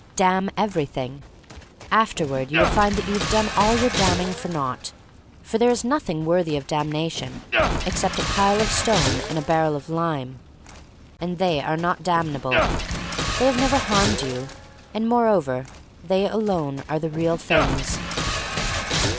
Damn everything! Afterward you will find that you have done all your damning for naught. For there is THE STORY OF MARY MAC LANE 257 nothing worthy of damnation except a Pile of Stones and a Barrel of Lime — and they are not damnable. They have never harmed you, and moreover they alone are the Real Things.